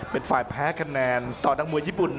เป็นฝ่ายแพ้คะแนนต่อนักมวยญี่ปุ่น